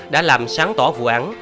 đã làm sáng tỏ vụ án